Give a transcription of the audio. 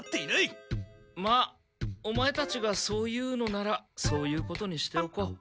まあオマエたちがそう言うのならそういうことにしておこう。